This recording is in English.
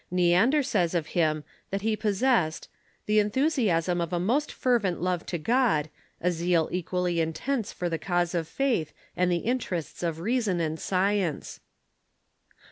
Neander says of him, that he possessed " the enthusiasm of a most fervent love to God, a zeal equally intense for the cause of faith and the interests of reason and science."